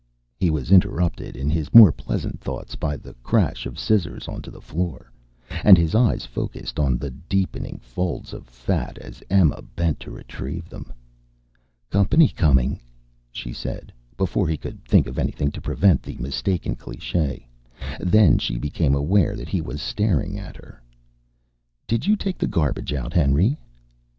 He was interrupted in his more pleasant thoughts by the crash of scissors onto the floor, and his eyes focussed on the deepening folds of fat as Emma bent to retrieve them. "Company coming," she said, before he could think of anything to prevent the mistaken cliché. Then she became aware that he was staring at her. "Did you take the garbage out, Henry?"